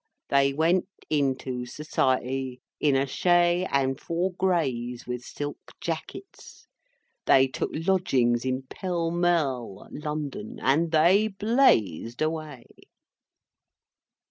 They went into Society, in a chay and four grays with silk jackets. They took lodgings in Pall Mall, London, and they blazed away.